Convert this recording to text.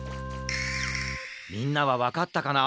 みんなはわかったかな？